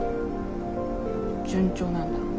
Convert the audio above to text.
順調なんだ。